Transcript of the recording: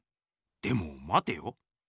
でもまてよ。